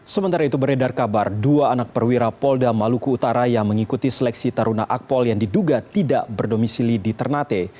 sementara itu beredar kabar dua anak perwira polda maluku utara yang mengikuti seleksi taruna akpol yang diduga tidak berdomisili di ternate